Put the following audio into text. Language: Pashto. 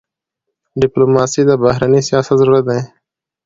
ډيپلوماسي د بهرني سیاست زړه دی.